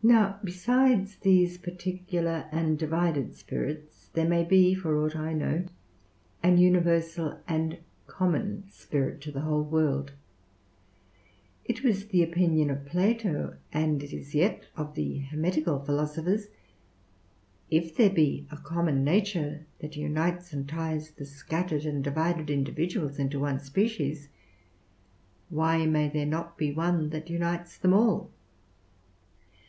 Now, besides these particular and divided spirits there may be (for aught I know) an universal and common spirit to the whole world. It was the opinion of Plato, and it is yet of the Hermetical philosophers: if there be a common nature that unites and ties the scattered and divided individuals into one species, why may there not be one that unites them all?